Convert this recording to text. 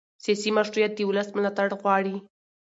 سیاسي مشروعیت د ولس ملاتړ غواړي